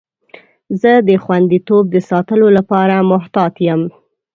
زه د خوندیتوب د ساتلو لپاره محتاط یم.